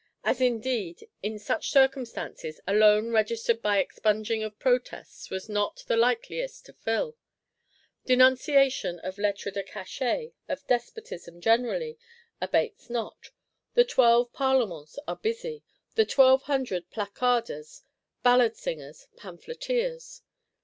As indeed, in such circumstances, a Loan registered by expunging of Protests was not the likeliest to fill. Denunciation of Lettres de Cachet, of Despotism generally, abates not: the Twelve Parlements are busy; the Twelve hundred Placarders, Balladsingers, Pamphleteers.